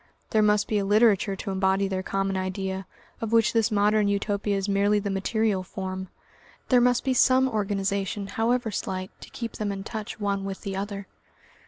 There must be a literature to embody their common idea, of which this Modern Utopia is merely the material form; there must be some organisation, however slight, to keep them in touch one with the other.